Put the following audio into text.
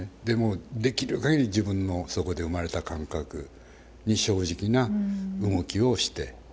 でもうできるかぎり自分のそこで生まれた感覚に正直な動きをして。